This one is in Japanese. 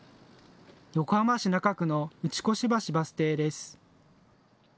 横浜市中区の打越橋バス停です。